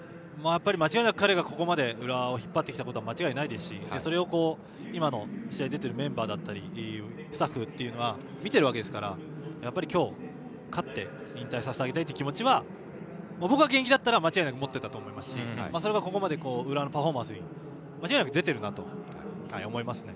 間違いなく彼がここまで浦和を引っ張ってきたのは間違いないですしそれを、今の試合に出ているメンバーだったりスタッフというのは見ているわけですから今日勝って引退させてあげたい気持ちは僕が現役だったら間違いなく持っていたと思いますしそれがここまで浦和のパフォーマンスに間違いなく出ているなと思います。